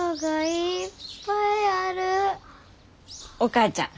お母ちゃん